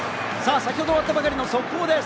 先ほど終わったばかりの速報です。